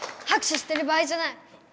拍手してる場合じゃない！